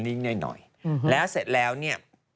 หน่อยแล้วเสร็จแล้วเนี่ย